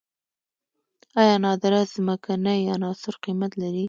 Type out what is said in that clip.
آیا نادره ځمکنۍ عناصر قیمت لري؟